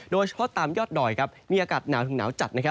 โดยเฉพาะตามยอดดอยมีอากาศหนาวถึงหนาวจัด